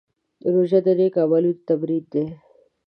روژه د نېکو عملونو تمرین دی.